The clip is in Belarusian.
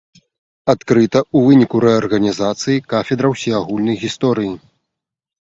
Адкрыта у выніку рэарганізацыі кафедра ўсеагульнай гісторыі.